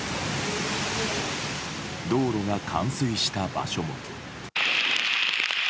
道路が冠水した場所も。